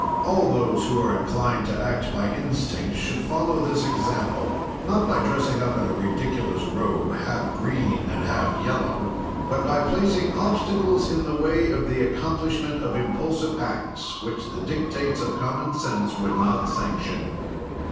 '" All those who are inclined to act by instinct should follow this example, not by dressing up in a ridiculous robe half green and half yellow, but by placing obstacles in the way of the accomplishment of impulsive acts, which the dictates of common sense would not sanction.